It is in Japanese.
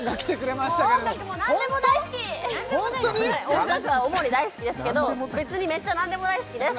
音楽は主に大好きですけど別にめっちゃ何でも大好きです